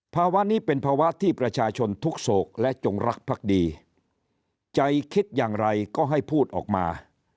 ภาวะนี้เป็นภาวะที่ประชาชนทุกโศกและจงรักพักดีใจคิดอย่างไรก็ให้พูดออกมา